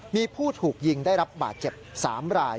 มีผู้ถูกยิงได้รับบาดเจ็บ๓ราย